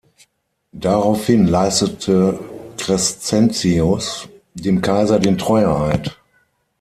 Daraufhin leistete Crescentius dem Kaiser den Treueeid.